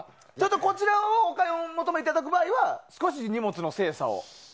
こちらをお買い求めいただく場合は少し荷物の精査を。